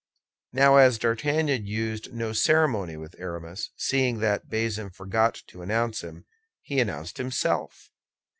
Now, as D'Artagnan used no ceremony with Aramis, seeing that Bazin forgot to announce him, he announced himself.